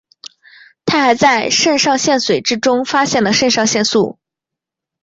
他还在肾上腺髓质中发现了肾上腺素。